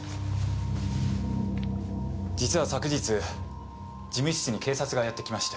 実は昨日事務室に警察がやって来まして。